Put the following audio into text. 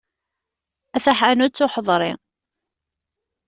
A taḥanut uḥeḍri.